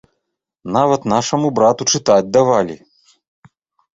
Нават нашаму брату чытаць давалі.